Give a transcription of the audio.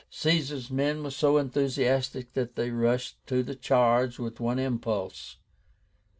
Caesar's men were so enthusiastic that they rushed to the charge with one impulse.